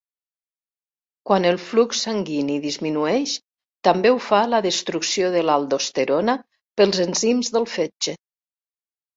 Quan el flux sanguini disminueix, també ho fa la destrucció de l'aldosterona pels enzims de fetge.